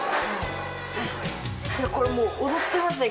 これもう踊ってますね